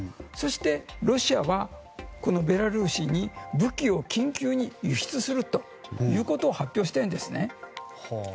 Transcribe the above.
そして、ロシアはベラルーシに武器を緊急に輸出するということを発表しているんですね。